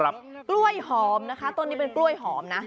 กล้วยหอมนะคะต้นนี้เป็นกล้วยหอมนะ